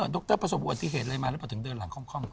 รประสบอุบัติเหตุอะไรมาหรือเปล่าถึงเดินหลังคล่อม